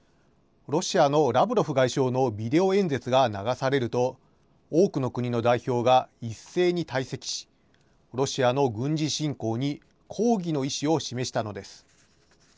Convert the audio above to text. ロシアのラブロフ外相のビデオ演説が流されると、多くの国の代表が一斉に退席し、ロシアの軍事侵攻に抗議の意志を示したのです。